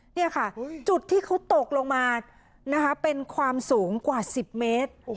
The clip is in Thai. นี่ค่ะจุดที่เขาตกลงมานะคะเป็นความสูงกว่า๑๐เมตร